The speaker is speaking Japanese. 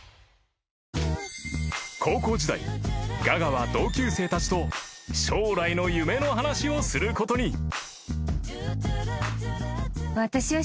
［ガガは同級生たちと将来の夢の話をすることに］